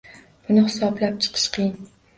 Buni hisoblab chiqish qiyin.